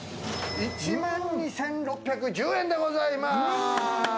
１万２６１０円でございます。